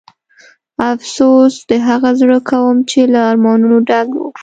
افسوس د هغه زړه کوم چې له ارمانونو ډک و.